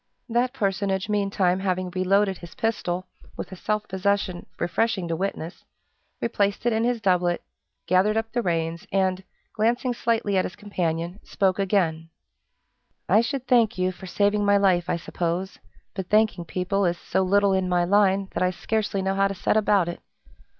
That personage meantime having reloaded his pistol, with a self possession refreshing to witness, replaced it in his doublet, gathered up the reins, and, glancing slightly at his companion, spoke again, "I should thank you for saving my life, I suppose, but thanking people is so little in my line, that I scarcely know how to set about it.